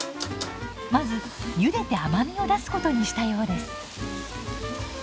まずゆでて甘みを出すことにしたようです。